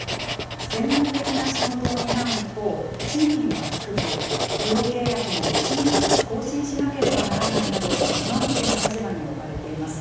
専門的な仕事を担う一方、賃金は低く、雇用契約も１年ずつ更新しなければならないなど、不安定な立場に置かれています。